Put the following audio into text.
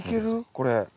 これ。